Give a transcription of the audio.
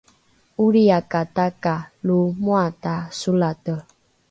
’olriakata ka lo moata solate